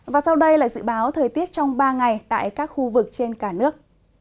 và sau đây là dự báo thời tiết trong ba ngày tại các khu vực trên cả nước